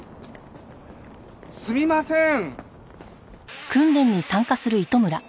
すみません！